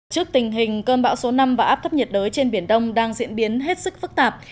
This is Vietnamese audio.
trước tình hình cơn bão số năm và áp thấp nhiệt đới trên biển đông đang diễn biến hết sức phức tạp